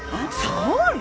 そうよ。